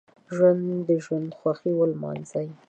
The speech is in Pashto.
ژوندي د ژوند خوښۍ ولمانځي